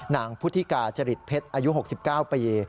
นางพุทธิกาจริตเพชรอายุ๖๙ปี